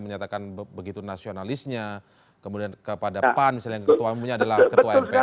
menyatakan begitu nasionalisnya kemudian kepada pan misalnya yang ketua umumnya adalah ketua mpr